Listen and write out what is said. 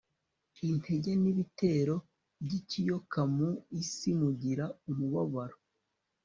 intege nibitero byikiyoka Mu isi mugira umubabaro